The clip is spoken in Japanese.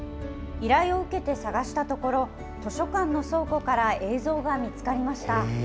依頼を受けて探したところ、図書館の倉庫から映像が見つかりました。